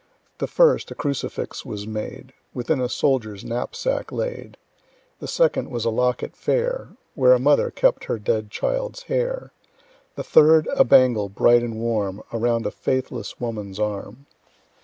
The first a crucifix was made, Within a soldier's knapsack laid; The second was a locket fair, Where a mother kept her dead child's hair; The third a bangle, bright and warm, Around a faithless woman's arm.